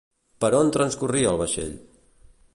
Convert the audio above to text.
Per on transcorria el vaixell?